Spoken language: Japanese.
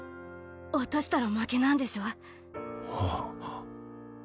落としたら負けなんでしょ？